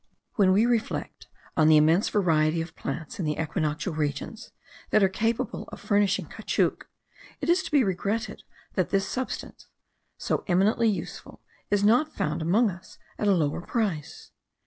When we reflect on the immense variety of plants in the equinoctial regions that are capable of furnishing caoutchouc, it is to be regretted that this substance, so eminently useful, is not found among us at a lower price.